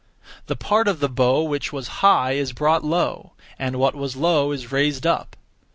The (part of the bow) which was high is brought low, and what was low is raised up.